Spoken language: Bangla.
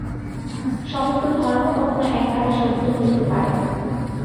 সমস্ত ধর্ম কখনও এককালে সত্য হইতে পারে না।